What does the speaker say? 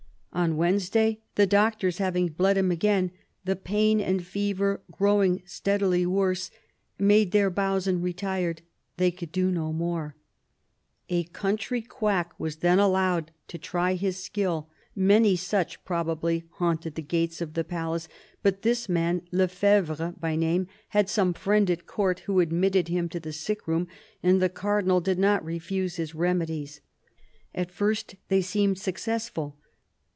On Wednesday the doctors, having bled him again, the pain and fever growing steadily worse, made their bows and retired ; they could do no more. A country quack was then allowed to try his skill : many such, probably, haunted the gates of the palace ; but this man, Le F^vre by name, had some friend at Court who admitted him to the sick room, and the Cardinal did not refuse his reme dies. At first they seemed successful.